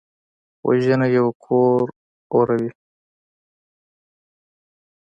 وژنه یو کور اوروي